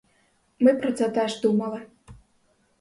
Ми про це теж думали.